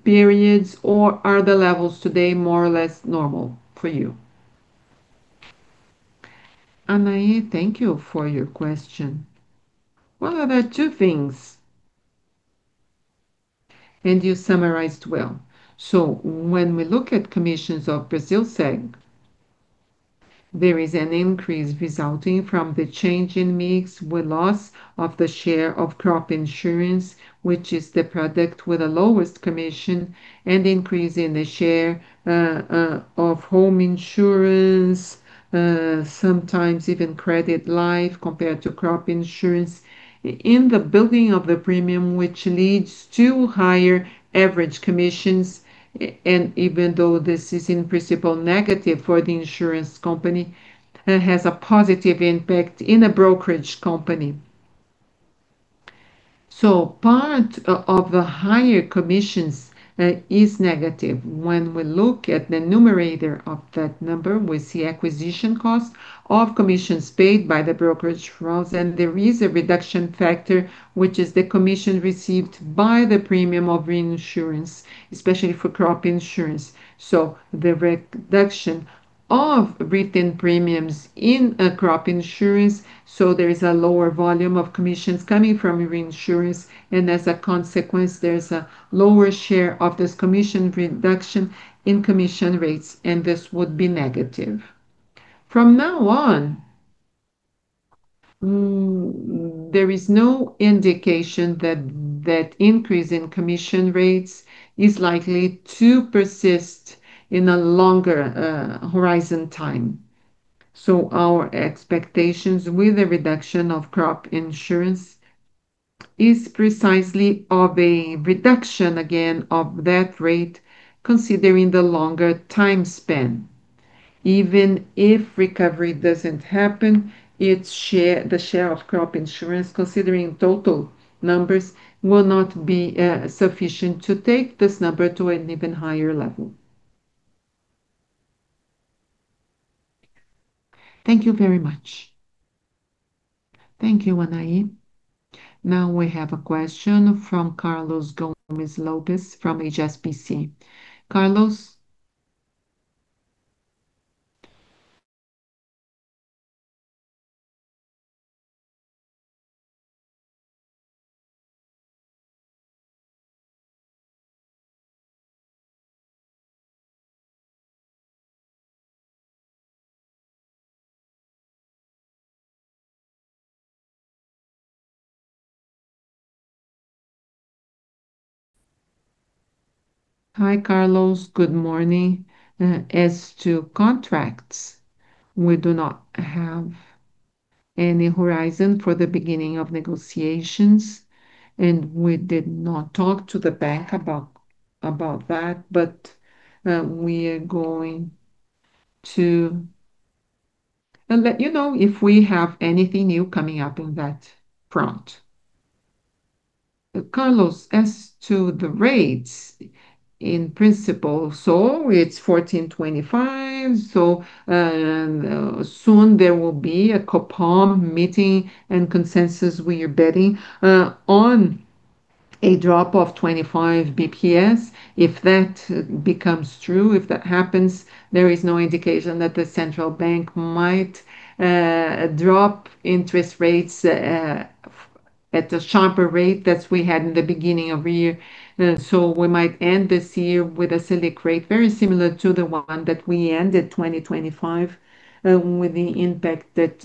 periods, or are the levels today more or less normal for you? Anahy, thank you for your question. There are two things, you summarized well. When we look at commissions of Brasilseg, there is an increase resulting from the change in mix with loss of the share of crop insurance, which is the product with the lowest commission, and increase in the share of home insurance, sometimes even credit life compared to crop insurance in the building of the premium, which leads to higher average commissions. Even though this is in principle negative for the insurance company, it has a positive impact in a brokerage company. Part of the higher commissions is negative. When we look at the numerator of that number, we see acquisition costs of commissions paid by the brokerage firms, there is a reduction factor, which is the commission received by the premium of reinsurance, especially for crop insurance. The reduction of written premiums in crop insurance, there is a lower volume of commissions coming from reinsurance, as a consequence, there's a lower share of this commission reduction in commission rates, this would be negative. From now on, there is no indication that increase in commission rates is likely to persist in a longer horizon time. Our expectations with a reduction of crop insurance is precisely of a reduction again of that rate considering the longer time span. Even if recovery doesn't happen, the share of crop insurance, considering total numbers, will not be sufficient to take this number to an even higher level. Thank you very much. Thank you, Anahy. Now we have a question from Carlos Gomez-Lopez from HSBC. Carlos. [inaudible] Hi, Carlos. Good morning. As to contracts, we do not have any horizon for the beginning of negotiations, and we did not talk to the bank about that, but we are going to let you know if we have anything new coming up in that front. Carlos, as to the rates, in principle, it is 1425, soon there will be a Copom meeting and consensus. We are betting on a drop of 25 BPS. If that becomes true, if that happens, there is no indication that the central bank might drop interest rates at the sharper rate that we had in the beginning of the year. We might end this year with a Selic rate very similar to the one that we ended 2025, with the impact that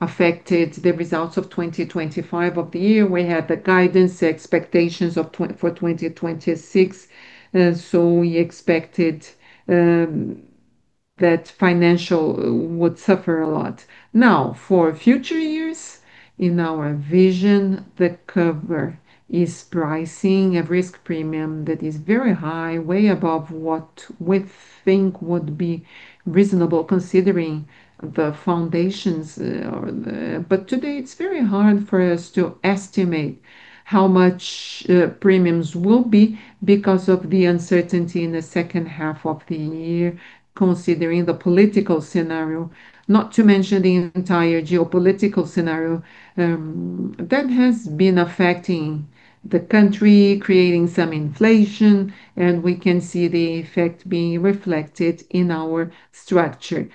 affected the results of 2025 of the year. We had the guidance, the expectations for 2026. We expected that financial would suffer a lot. Now, for future years, in our vision, the cover is pricing a risk premium that is very high, way above what we think would be reasonable considering the foundations. Today it is very hard for us to estimate how much premiums will be because of the uncertainty in the second half of the year, considering the political scenario. Not to mention the entire geopolitical scenario that has been affecting the country, creating some inflation, and we can see the effect being reflected in our structure.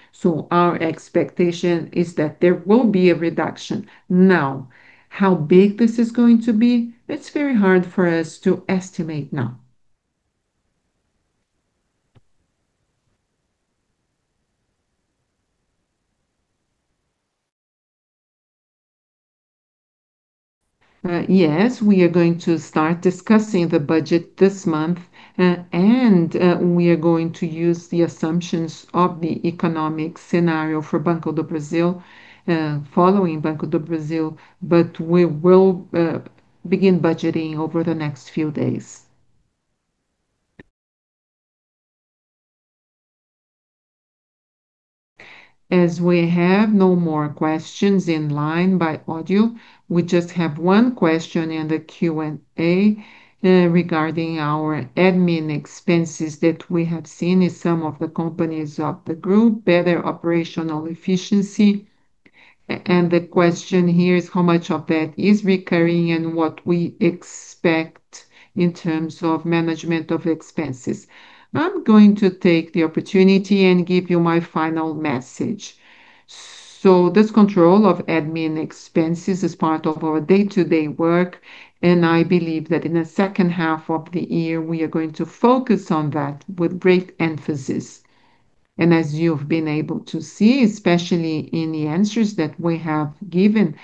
Our expectation is that there will be a reduction. Now, how big this is going to be, that is very hard for us to estimate now. Yes, we are going to start discussing the budget this month, and we are going to use the assumptions of the economic scenario for Banco do Brasil, following Banco do Brasil, but we will begin budgeting over the next few days. As we have no more questions in line by audio, we just have one question in the Q&A regarding our admin expenses that we have seen in some of the companies of the group, better operational efficiency. The question here is how much of that is recurring and what we expect in terms of management of expenses. I am going to take the opportunity and give you my final message. This control of admin expenses is part of our day-to-day work, and I believe that in the second half of the year, we are going to focus on that with great emphasis. As you have been able to see, especially in the answers that we have given,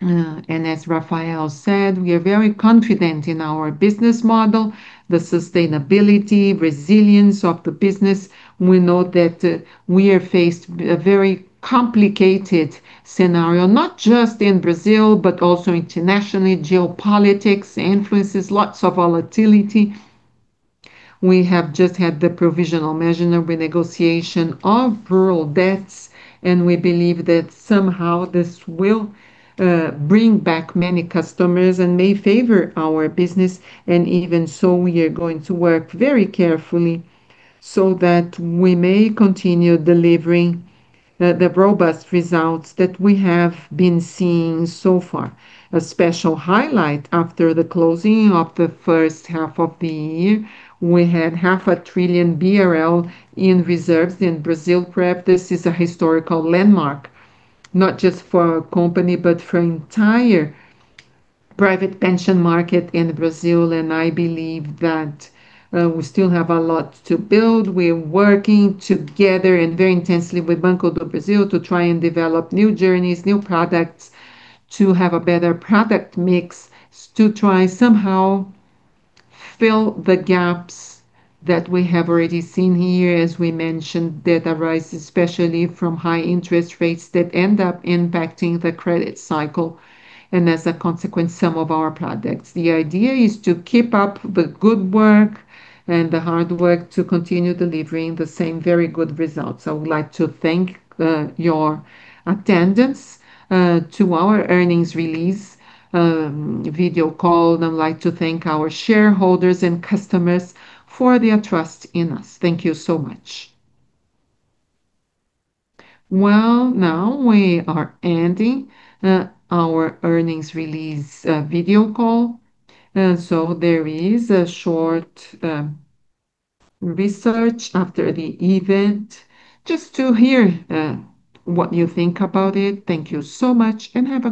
and as Rafael said, we are very confident in our business model, the sustainability, resilience of the business. We know that we are faced a very complicated scenario, not just in Brazil, but also internationally. Geopolitics influences lots of volatility. We have just had the provisional measure of renegotiation of rural debts, and we believe that somehow this will bring back many customers and may favor our business. Even so, we are going to work very carefully so that we may continue delivering the robust results that we have been seeing so far. A special highlight after the closing of the first half of the year, we had half a trillion BRL in reserves in Brasilprev. This is a historical landmark, not just for our company but for entire private pension market in Brazil. I believe that we still have a lot to build. We are working together and very intensely with Banco do Brasil to try and develop new journeys, new products, to have a better product mix, to try somehow fill the gaps that we have already seen here, as we mentioned, that arise especially from high interest rates that end up impacting the credit cycle and as a consequence, some of our products. The idea is to keep up the good work and the hard work to continue delivering the same very good results. I would like to thank your attendance to our earnings release video call. I'd like to thank our shareholders and customers for their trust in us. Thank you so much. Well, now we are ending our earnings release video call. There is a short research after the event just to hear what you think about it. Thank you so much.